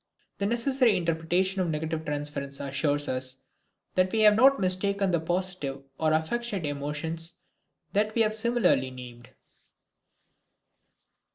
This necessary interpretation of negative transference assures us that we have not mistaken the positive or affectionate emotions that we have similarly named.